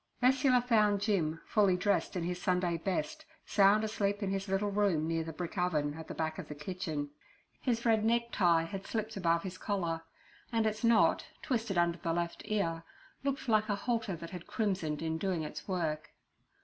Ursula found Jim, fully dressed in his Sunday best, sound asleep in his little room, near the brick oven, at the back of the kitchen. His red necktie had slipped above his collar, and its knot, twisted under the left ear, looked like a halter that had crimsoned in doing its work.